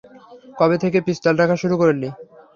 কবে থেকে পিস্তল রাখা শুরু করলি?